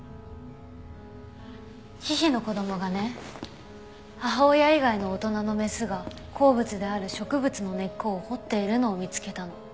ヒヒの子供がね母親以外の大人のメスが好物である植物の根っこを掘っているのを見つけたの。